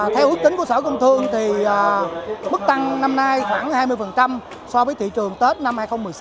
theo ước tính của sở công thương mức tăng năm nay khoảng hai mươi so với thị trường tết năm hai nghìn một mươi sáu